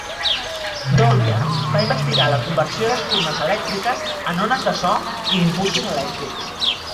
Dolbear va investigar la conversió d'espurnes elèctriques en ones de so i impulsos elèctrics.